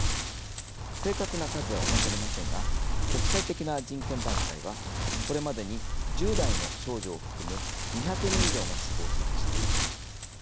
正確な数は分かりませんが国際的な人権団体はこれまでに１０代の少女を含む２００人以上が死亡したとしています。